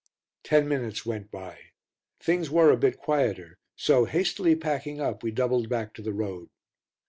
Ten minutes went by; things were a bit quieter, so, hastily packing up, we doubled back to the road.